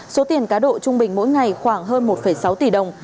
số tiền cá độ trung bình mỗi ngày khoảng hơn một sáu tỷ đồng